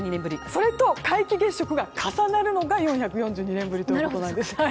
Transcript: それと皆既月食が重なるのが４４２年ぶりということです。